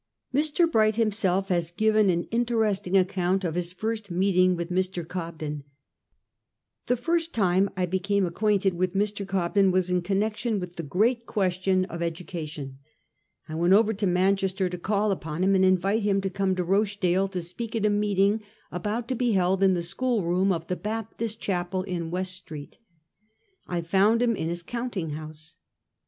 Mr. Bright himself has given an interesting ac count of his first meeting with Mr. Cobden: —' The first time I became acquainted with Mr, Cobden was in connection with the great question of 344 A HISTORY OF OUR OWN TIMES. CH. XIV. education. I went over to Manchester to call upon him and invite him to come to Rochdale to speak at a meeting about to be held in the school room of the Baptist Chapel in West Street. I found him in his counting house.